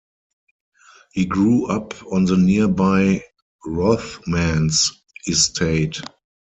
He grew up on the nearby Rothmans Estate.